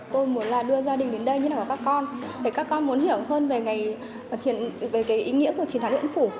tôi muốn là đưa gia đình đến đây như là các con để các con muốn hiểu hơn về cái ý nghĩa của chiến thắng huyện phủ